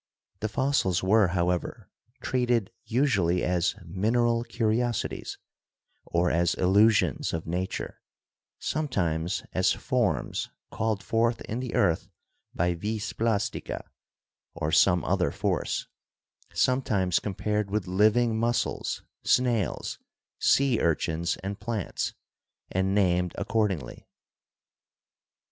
The fossils were, however, treated usually as mineral curiosities or as illusions of nature, sometimes as forms called forth in the earth by "vis plastica" or some other force, sometimes compared with living mussels, snails, sea urchins and plants, and named accordingly.